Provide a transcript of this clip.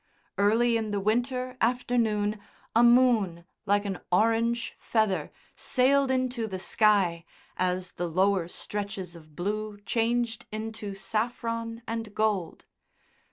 Early in the winter afternoon a moon like an orange feather sailed into the sky as the lower stretches of blue changed into saffron and gold.